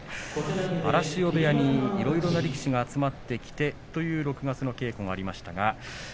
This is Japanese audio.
荒汐部屋にいろいろな力士が集まったという６月の稽古でした。